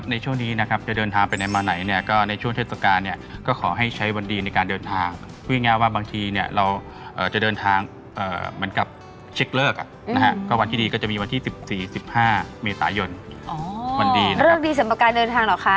คนที่เกิดปีจอในช่วงนี้นะครับก็จะเดินทางไปได้มาไหนเนี่ยก็ในช่วงเทศกาล